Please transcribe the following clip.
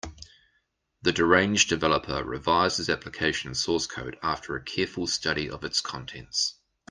The deranged developer revised his application source code after a careful study of its contents.